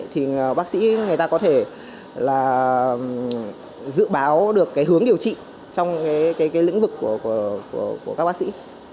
thì bác sĩ người ta có thể dự báo được hướng điều trị trong lĩnh vực của các bác sĩ